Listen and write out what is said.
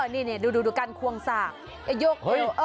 นี่ดูการควงสากยก